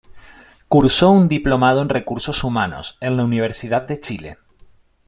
Cursó un diplomado en recursos humanos, en la Universidad de Chile.